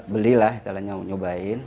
belilah setelah nyobain